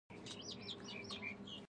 دغه وسلې د نورو خلکو لپاره جوړوي.